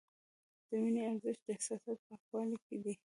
د مینې ارزښت د احساساتو پاکوالي کې دی.